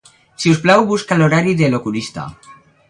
Si us plau, busca l'horari de l'oculista.